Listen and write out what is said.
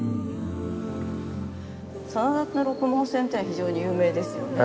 真田の「六文銭」って非常に有名ですよね。